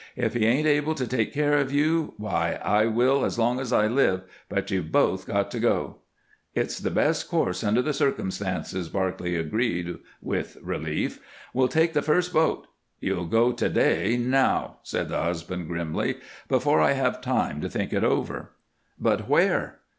If he ain't able to take care of you, why, I will as long as I live, but you've both got to go." "It's the best course under the circumstances," Barclay agreed, with relief. "We'll take the first boat " "You'll go to day, now," said the husband, grimly, "before I have time to think it over." "But where?"